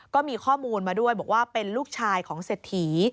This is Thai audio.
ก็มีข้อมูลมาด้วยบอกว่าเป็นลูกชายของเศรษฐี